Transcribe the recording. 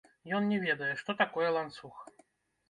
Ён не ведае, што такое ланцуг.